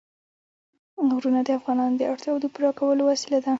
غرونه د افغانانو د اړتیاوو د پوره کولو وسیله ده.